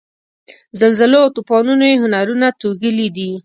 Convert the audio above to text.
زلزلو او توپانونو یې هنرونه توږلي دي.